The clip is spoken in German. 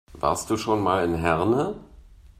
Warst du schon mal in Herne?